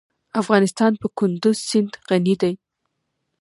افغانستان په کندز سیند غني دی.